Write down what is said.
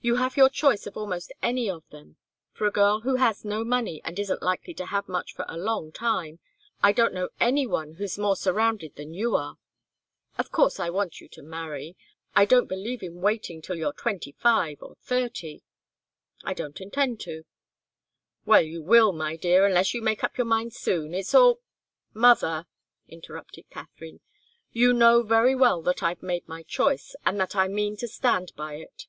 You have your choice of almost any of them. For a girl who has no money and isn't likely to have much for a long time, I don't know any one who's more surrounded than you are. Of course I want you to marry. I don't believe in waiting till you're twenty five or thirty." "I don't intend to." "Well, you will, my dear, unless you make up your mind soon. It's all " "Mother," interrupted Katharine, "you know very well that I've made my choice, and that I mean to stand by it."